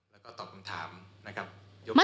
แล้วก็ตอบคำถามนะครับ